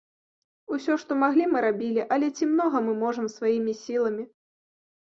Усё, што маглі, мы рабілі, але ці многа мы можам сваімі сіламі?